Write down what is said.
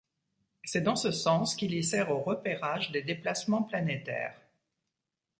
C'est dans ce sens qu'il y sert au repérage des déplacement planétaires.